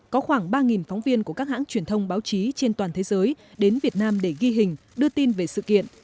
có khoảng ba phóng viên của các hãng truyền thông báo chí trên toàn thế giới đến việt nam để ghi hình đưa tin về sự kiện